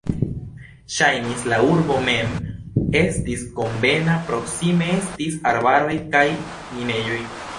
Ŝajnis, la urbo mem estis konvena, proksime estis arbaroj kaj minejoj.